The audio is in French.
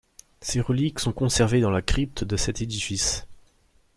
Ses reliques sont conservées dans la crypte de cet édifice.